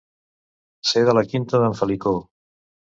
Ser de la quinta d'en Felicó.